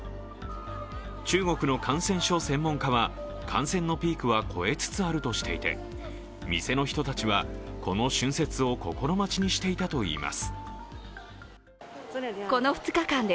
中国の感染症専門家は、感染のピークは超えつつあるとしていて、店の人たちは、この春節を心待ちにしていたといいます。